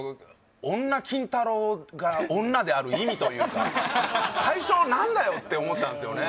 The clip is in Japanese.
女金太郎が女である意味というか最初なんだよって思ったんですよね